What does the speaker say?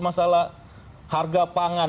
masalah harga pangan